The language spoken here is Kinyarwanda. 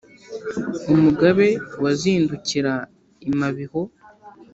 umugabe wazindukira i mabiho